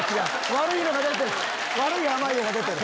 悪いのが出てる！